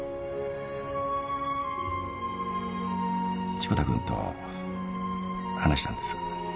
志子田君と話したんです。